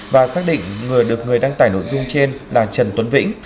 và xác định được người đăng tải nội dung trên là trần tuấn vĩnh